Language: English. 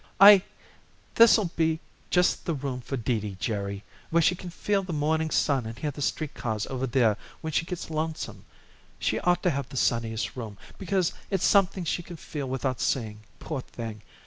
"I This'll be just the room for Dee Dee, Jerry, where she can feel the morning sun and hear the street cars over there when she gets lonesome. She ought to have the sunniest room, because it's something she can feel without seeing poor thing.